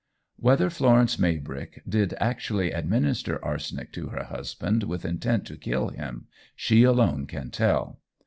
Whether Florence Maybrick did actually administer arsenic to her husband with intent to kill him, she alone can tell.